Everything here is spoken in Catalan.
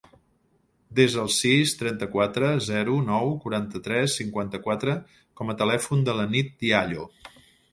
Desa el sis, trenta-quatre, zero, nou, quaranta-tres, cinquanta-quatre com a telèfon de la Nit Diallo.